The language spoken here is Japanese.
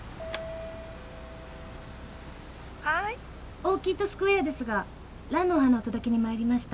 「オーキッド・スクエア」ですがランの花をお届けにまいりました。